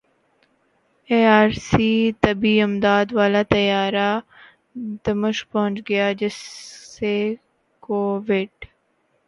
ای R C طبی امداد والا طیارہ دمشق پہنچ گیا جس سے کوویڈ